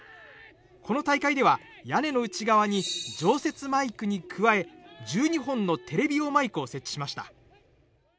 この大会では、屋根の内側に常設マイクに加え１２本のテレビ用マイクを設置しました。